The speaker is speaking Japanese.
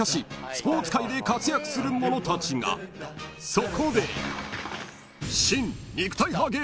［そこで］